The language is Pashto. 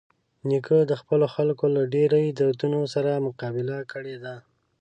نیکه د خپلو خلکو له ډېرۍ دردونو سره مقابله کړې ده.